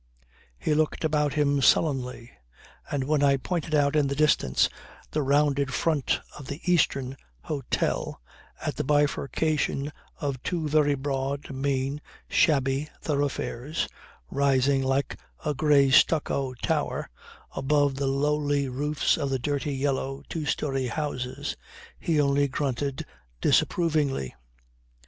He looked about him sullenly; and when I pointed out in the distance the rounded front of the Eastern Hotel at the bifurcation of two very broad, mean, shabby thoroughfares, rising like a grey stucco tower above the lowly roofs of the dirty yellow, two storey houses, he only grunted disapprovingly.